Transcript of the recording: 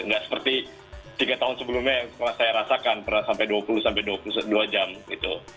nggak seperti tiga tahun sebelumnya yang pernah saya rasakan pernah sampai dua puluh sampai dua puluh dua jam gitu